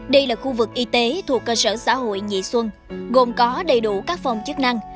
đây là khu vực y tế thuộc cơ sở xã hội nhị xuân gồm có đầy đủ các phòng chức năng